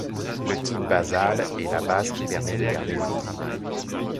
Le type basal est la base qui permet de garder l'équilibre.